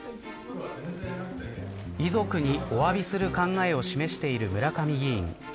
遺族にお詫びする考えを示している村上議員。